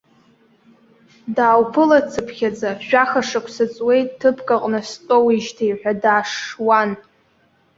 Даауԥылацыԥхьаӡа, жәаха шықәса ҵуеит ҭыԥк аҟны стәоуижьҭеи ҳәа дашшуан.